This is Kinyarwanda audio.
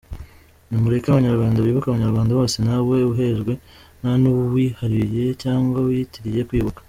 Nimureke abanyarwanda bibuke abanyarwanda bose ntawe uhejwe nta n’uwihariye cyangwa wiyitiriye kwibuka..